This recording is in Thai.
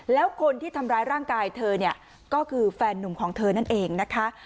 แล้วคนที่ทำร้ายร่างกายเธอเนี่ยก็คือแฟนนุ่มของเธอนั่นเองนะคะ